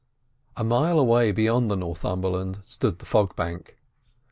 A mile away beyond the Northumberland stood the fog bank.